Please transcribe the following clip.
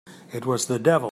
It was the devil!